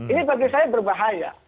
ini bagi saya berbahaya